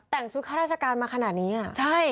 แต่งชุดข้าราชการมาขนาดนี้อ่ะใช่